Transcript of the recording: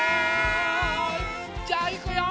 じゃあいくよ。